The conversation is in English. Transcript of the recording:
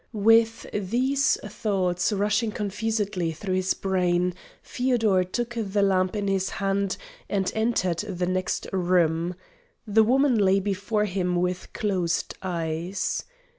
With these thoughts rushing confusedly through his brain, Feodor took the lamp in his hand and entered the next room. The woman lay before him with closed eyes.